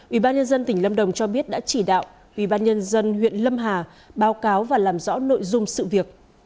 ubnd tỉnh lâm đồng cho biết đã chỉ đạo ubnd huyện lâm hà báo cáo và làm rõ nội dung sự việc